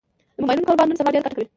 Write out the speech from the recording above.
د مبایلونو کاروبار نن سبا ډېره ګټه کوي